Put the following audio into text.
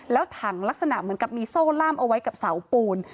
แล้วถังลักษณะเหมือนกับมีโซ่ล่ามเอาไว้กับเสาปูน